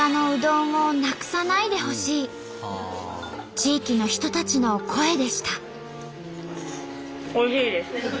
地域の人たちの声でした。